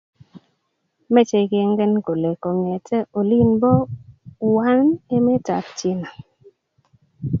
meche kengen kole kongete olin bo Wuhan emetab china